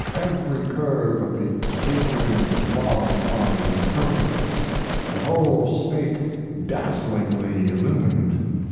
Every curve of the tapering long body perfect. The whole snake dazzlingly illumined.